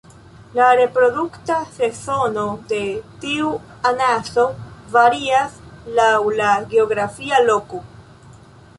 La reprodukta sezono de tiu anaso varias laŭ la geografia loko.